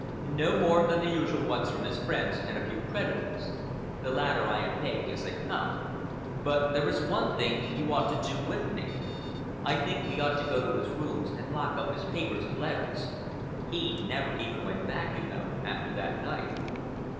"No more than the usual ones from his friends, and a few creditors. The latter I am paying as they come. But there is one thing you ought to do with me. I think we ought to go to his rooms and lock up his papers and letters. He never even went back, you know, after that night."